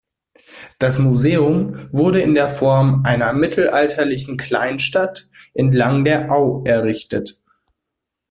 Das Museum wurde in der Form einer mittelalterlichen Kleinstadt entlang der Au errichtet.